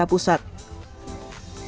yang tahun ini diselenggarakan di jakarta